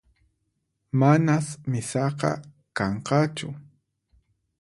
Manas misaqa kanqachu